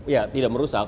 ya tidak merusak